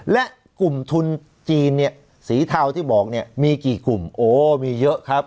และกลุ่มทุนจีนเนี่ยสีเทาที่บอกเนี่ยมีกี่กลุ่มโอ้มีเยอะครับ